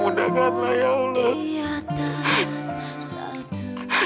mudahkanlah ya allah